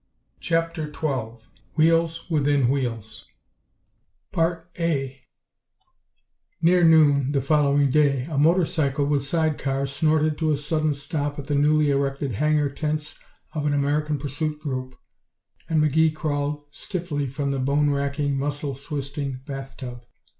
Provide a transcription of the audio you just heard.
CHAPTER XII Wheels Within Wheels 1 Near noon, the following day, a motor cycle with side car snorted to a sudden stop at the newly erected hangar tents of an American Pursuit Group, and McGee crawled stiffly from the bone racking, muscle twisting "bath tub."